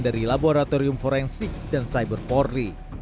dari laboratorium forensik dan cyberporri